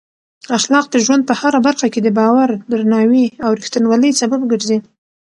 اخلاق د ژوند په هره برخه کې د باور، درناوي او رښتینولۍ سبب ګرځي.